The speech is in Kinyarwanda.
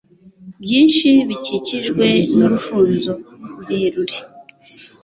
byinshi bikikijwe n'urufunzo rurerure